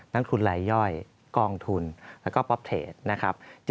นักทุนไร่ย่อยกองทุนแล้วก็ป๊อปเทรด